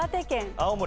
青森。